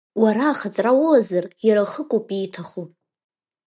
Уара ахаҵара улазар, иара хыкоуп ииҭаху…